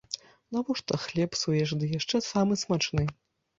Навошта хлеб псуеш, ды яшчэ самы смачны!